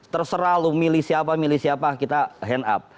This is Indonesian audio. terserah loh milih siapa milih siapa kita hand up